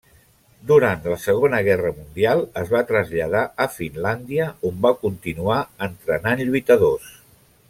Durant la Segona Guerra Mundial es va traslladar a Finlàndia, on va continuar entrenant lluitadors.